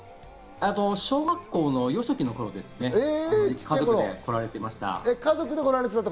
小学校の幼少期の頃ですね、家族で来られてました。